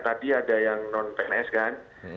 tadi ada yang non pns kan